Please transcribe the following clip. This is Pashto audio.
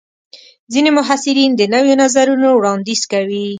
ځینې محصلین د نویو نظرونو وړاندیز کوي.